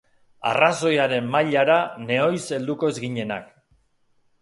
Arrazoiaren mailara nehoiz helduko ez ginenak.